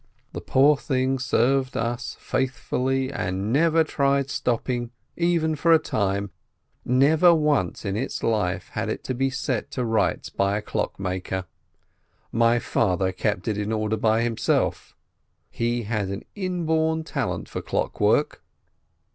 The poor thing served us faith fully, and never tried stopping even for a time, never once in its life had it to be set to rights by a clock maker. My father kept it in order himself, he had an inborn talent for clock work.